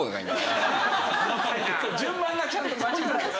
順番がちゃんと間違えると。